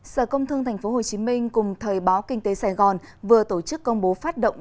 sở công thương tp hcm cùng thời báo kinh tế sài gòn vừa tổ chức công bố phát động